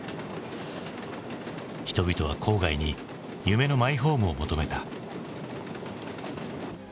人々は郊外に夢のマイホームを求めた。